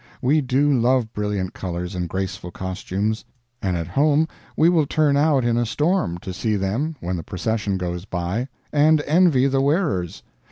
We do love brilliant colors and graceful costumes; and at home we will turn out in a storm to see them when the procession goes by and envy the wearers.